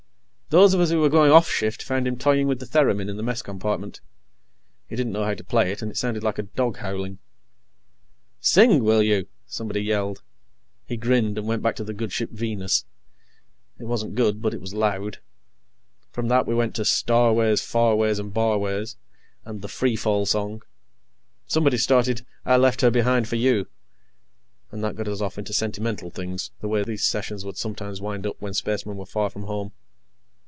Those of us who were going off shift found him toying with the theremin in the mess compartment. He didn't know how to play it, and it sounded like a dog howling. "Sing, will you!" somebody yelled. He grinned and went back to the "Good Ship Venus." It wasn't good, but it was loud. From that, we went to "Starways, Farways, and Barways," and "The Freefall Song." Somebody started "I Left Her Behind For You," and that got us off into sentimental things, the way these sessions would sometimes wind up when spacemen were far from home.